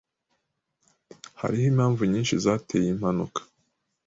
Hariho impamvu nyinshi zateye iyi mpanuka.